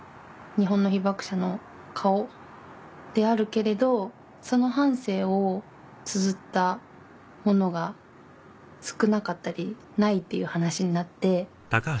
日本の被爆者の顔であるけれどその半生をつづったものが少なかったりないっていう話になって。